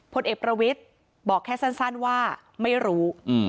ผลเอกประวิทย์บอกแค่สั้นว่าไม่รู้